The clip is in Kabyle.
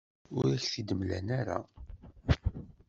Ur ak-t-id-mlan ara.